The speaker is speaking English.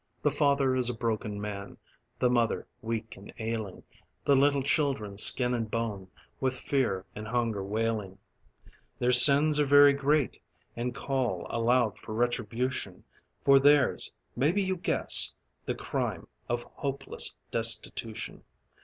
The father is a broken man, The mother weak and ailing, The little children, skin and bone, With fear and hunger wailing. Their sins are very great, and call Aloud for retribution, For their's (maybe you guess!) the crime Of hopeless destitution.